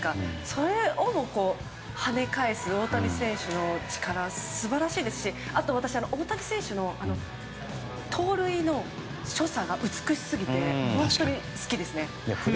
それをも跳ね返す大谷選手の力素晴らしいですし大谷選手の盗塁の所作が美しすぎて本当に好きですね。